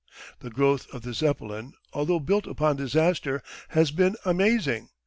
The growth of the Zeppelin, although built upon disaster, has been amazing.